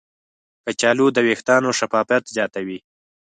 کچالو د ویښتانو شفافیت زیاتوي.